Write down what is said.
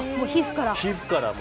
皮膚からも。